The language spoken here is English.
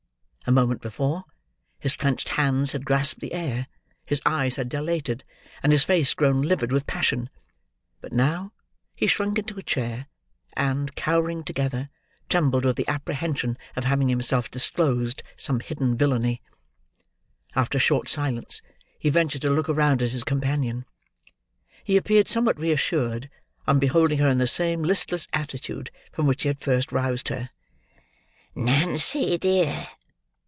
A moment before, his clenched hands had grasped the air; his eyes had dilated; and his face grown livid with passion; but now, he shrunk into a chair, and, cowering together, trembled with the apprehension of having himself disclosed some hidden villainy. After a short silence, he ventured to look round at his companion. He appeared somewhat reassured, on beholding her in the same listless attitude from which he had first roused her. "Nancy, dear!"